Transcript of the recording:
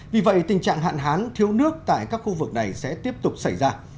vì vậy tình trạng hạn hán thiếu nước tại các khu vực này sẽ tiếp tục xảy ra